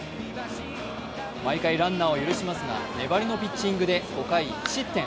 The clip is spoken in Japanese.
毎回ランナーを許しますが、粘りのピッチングで５回１失点。